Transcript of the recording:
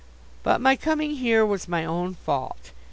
But my coming here was my own fault.